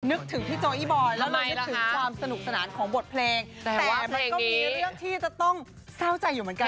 นึกถึงพี่โจอี้บอยแล้วเลยนึกถึงความสนุกสนานของบทเพลงแต่ว่ามันก็มีเรื่องที่จะต้องเศร้าใจอยู่เหมือนกัน